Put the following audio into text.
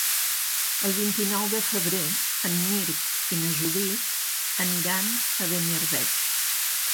El vint-i-nou de febrer en Mirt i na Judit aniran a Beniarbeig.